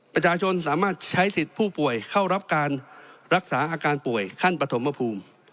ประชาชนสามารถใช้สิทธิ์ผู้ป่วยเข้ารับการรักษาอาการป่วยขั้นปฐมภูมิ